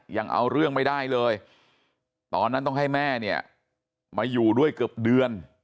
ยังเอาเรื่องไม่ได้เลยตอนนั้นต้องให้แม่เนี่ยมาอยู่ด้วยเกือบเดือน